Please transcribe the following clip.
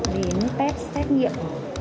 đến test xét nghiệm